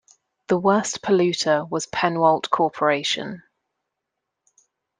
The worst polluter was Pennwalt Corporation.